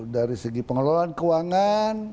dari segi pengelolaan keuangan